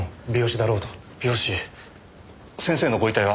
病死先生のご遺体は？